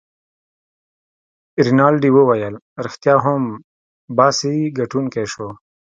رینالډي وویل: ريښتیا هم، باسي ګټونکی شو.